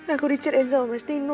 aku diceritain sama mas tino